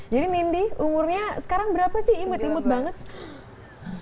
jadi nindi umurnya sekarang berapa sih imut imut banget